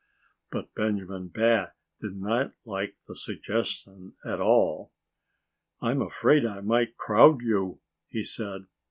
But Benjamin Bat did not like the suggestion at all. "I'm afraid I might crowd, you," he said.